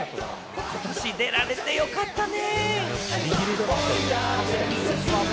今年、出られてよかったね。